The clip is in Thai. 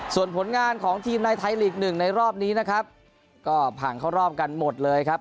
ส่วนผลงานของทีมในไทยลีกหนึ่งในรอบนี้นะครับก็ผ่านเข้ารอบกันหมดเลยครับ